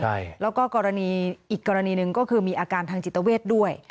ใช่แล้วก็กรณีอีกกรณีหนึ่งก็คือมีอาการทางจิตเวทด้วย